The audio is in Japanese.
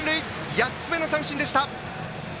８つ目の三振でした、南。